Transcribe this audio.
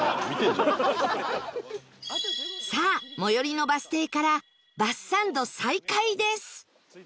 さあ最寄りのバス停からバスサンド再開です